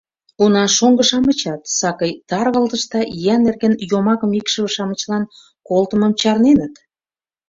Уна, шоҥго-шамычат сакый таргылтыш да ия нерген йомакым икшыве-шамычлан колтымым чарненыт.